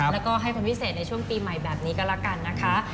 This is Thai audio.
แล้วก็ให้คนพิเศษในช่วงปีใหม่แบบนี้ก็แล้วกันนะคะ